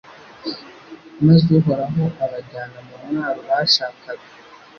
maze Uhoraho abajyana mu mwaro bashakaga